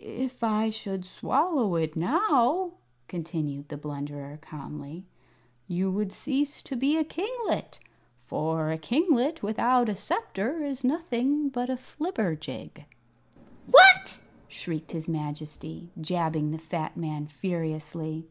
"If I should swallow it now," continued the Blunderer, calmly, "you would cease to be a kinglet; for a kinglet without a sceptre is nothing but a flibberjig." "What!" shrieked his Majesty, jabbing the fat man furiously.